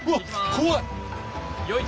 怖い！